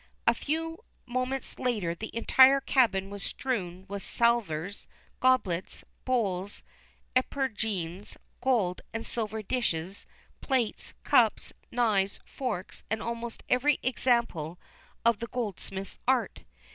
A few moments later the entire cabin was strewn with salvers, goblets, bowls, epergnes, gold and silver dishes, plates, cups, knives, forks, and almost every example of the goldsmith's art.